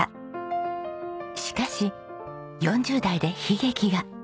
しかし４０代で悲劇が。